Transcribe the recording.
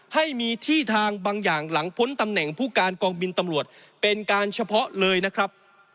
ให้มีที่ทางบางอย่างหลังพ้นตำแหน่งผู้การกองบินตำรวจเป็นการเฉพาะเลยนะครับ